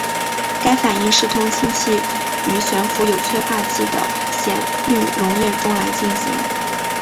该反应是通氢气于悬浮有催化剂的酰氯溶液中来进行。